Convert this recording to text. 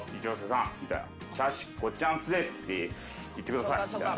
「『ちゃし』『ごっちゃんすです』って言ってください」みたいな。